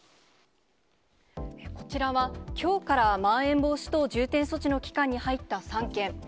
こちらは、きょうからまん延防止等重点措置の期間に入った３県。